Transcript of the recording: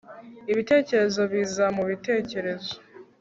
ibitekerezo biza mubitekerezo